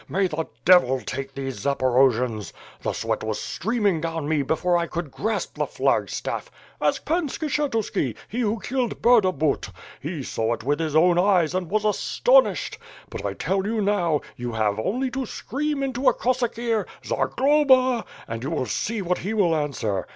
May the devil take these Zaporojians! The sweat was streaming down me, before 1 could grasp the flag staff. Ask Pan Skshetuski, he who killed Burdabut, He saw it with his own eyes and was astonished. But I tell you, now, you have only to scream into a Cossack ear, ^Zagloba/ and you will see what he will answer.